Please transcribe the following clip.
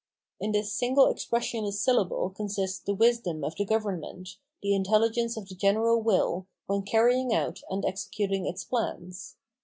In this single expressionless syllable consists the wisdom of the government, the intelligence of the general wiU, when carrying out and executing its plans.